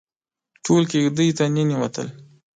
ټول کېږدۍ ته ننوتل.